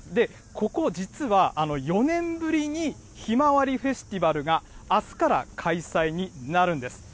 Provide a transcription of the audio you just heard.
ここ、実は４年ぶりにひまわりフェスティバルがあすから開催になるんです。